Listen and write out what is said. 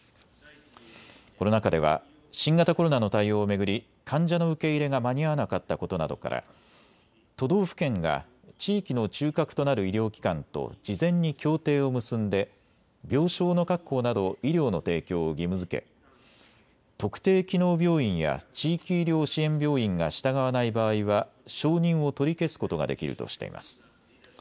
この中では新型コロナの対応を巡り患者の受け入れが間に合わなかったことなどから都道府県が地域の中核となる医療機関と事前に協定を結んで病床の確保など医療の提供を義務づけ、特定機能病院や地域医療支援病院が従わない場合は承認を取り消すことができるとしています。